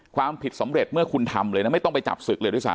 ความผิดสำเร็จเมื่อคุณทำเลยนะไม่ต้องไปจับศึกเลยด้วยซ้